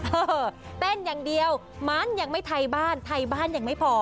เออเต้นอย่างเดียวมันยังไม่ไทยบ้านไทยบ้านยังไม่พอ